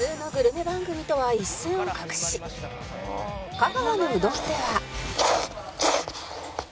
香川のうどんでは